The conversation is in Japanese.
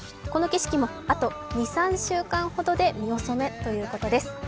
この景色もあと２３週間くらいで見納めということです。